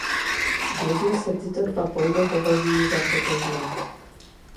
Běžně se tyto dva pojmy považují za totožné.